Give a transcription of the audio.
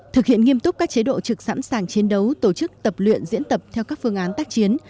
thực hiện nghiêm túc các chế độ trực sẵn sàng chiến đấu tổ chức tập luyện diễn tập theo các phương án tác chiến